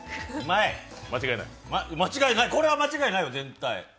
間違いない、これは間違いないよ、絶対。